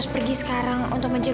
bomang juga tolu ini untuk wajiba